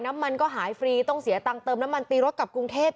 น้ำมันก็หายฟรีต้องเสียตังค์เติมน้ำมันตีรถกลับกรุงเทพ